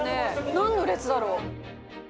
なんの列だろう？